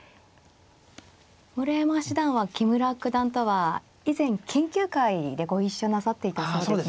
村山七段は木村九段とは以前研究会でご一緒なさっていたそうですね。